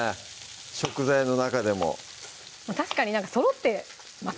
食材の中でも確かになんかそろってます